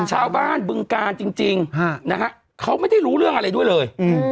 ชาวบ้านบึงการจริงจริงอ่านะฮะเขาไม่ได้รู้เรื่องอะไรด้วยเลย